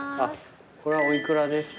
これはお幾らですか？